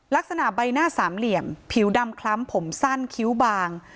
ลักษณะใบหน้าสามเหลี่ยมผิวดำคล้ำผมสั้นคิ้วบาง